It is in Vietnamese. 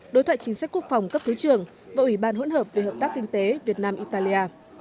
đối thoại chính sách quốc phòng cấp thứ trưởng và ủy ban hỗn hợp về hợp tác kinh tế việt nam italia